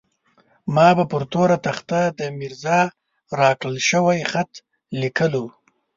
ما به پر توره تخته د ميرزا راکړل شوی خط ليکلو.